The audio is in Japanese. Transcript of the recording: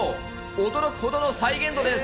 驚くほどの再現度です。